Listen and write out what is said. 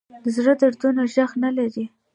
د زړه دردونه غږ نه لري